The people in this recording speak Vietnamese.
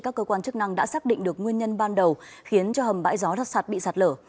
các cơ quan chức năng đã xác định được nguyên nhân ban đầu khiến hầm bãi gió đặt sạt bị sạt lở